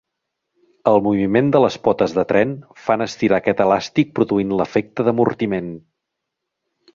El moviment de les potes de tren fan estirar aquest elàstic produint l'efecte d'amortiment.